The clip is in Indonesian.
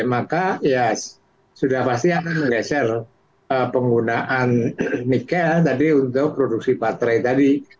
maka ya sudah pasti akan menggeser penggunaan nikel tadi untuk produksi baterai tadi